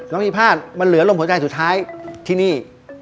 พี่พลาดมันเหลือลมหัวใจสุดท้ายที่นี่